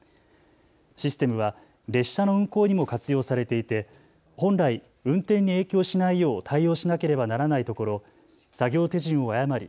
システムは列車の運行にも活用されていて本来、運転に影響しないよう対応しなければならないところ作業手順を誤り